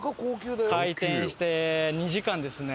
開店して２時間ですね。